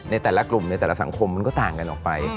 แต่ละกลุ่มในแต่ละสังคมมันก็ต่างกันออกไป